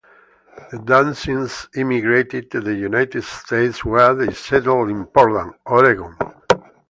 The Dantzigs immigrated to the United States, where they settled in Portland, Oregon.